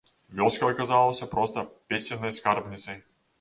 Вёска аказалася проста песеннай скарбніцай.